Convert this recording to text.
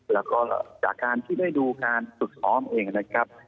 แล้วก็จากการที่ได้ดูการฝึกซ้อมเองนะครับ